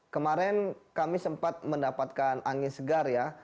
kemarin kami sempat mendapatkan angin segar ya